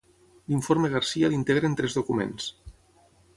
L'informe Garcia l'integren tres documents.